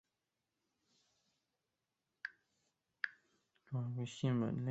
妹妹熊田胡胡也是演员。